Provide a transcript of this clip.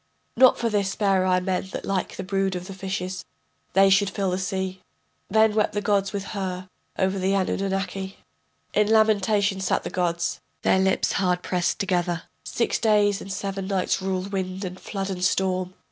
Not for this bare I men that like the brood of the fishes They should fill the sea. Then wept the gods with her over the Anunnaki, In lamentation sat the gods, their lips hard pressed together. Six days and seven nights ruled wind and flood and storm.